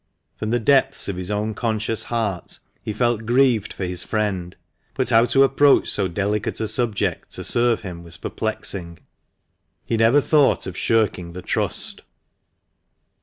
From the depths of his own conscious heart he felt grieved for his friend, but how to approach so delicate a subject to serve him was perplexing. He never thought of shirking the trust.